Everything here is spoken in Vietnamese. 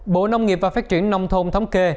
bộ nông nghiệp và phát triển nông thôn thống kê